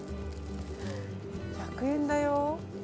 １００円だよ。